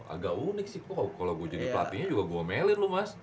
agak unik sih kalo gue jadi pelatihnya juga gue omelin loh mas